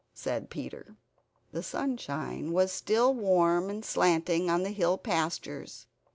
said Peter. The sunshine was still warm and slanting on the hill pastures.